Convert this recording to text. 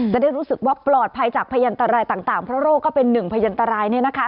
จะได้รู้สึกว่าปลอดภัยจากพยันตรายต่างเพราะโรคก็เป็นหนึ่งพยันตรายเนี่ยนะคะ